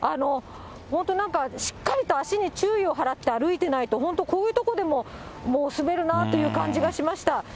本当なんか、しっかりと足に注意を払って歩いてないと、本当、こういう所でももう滑るなという感じがしました。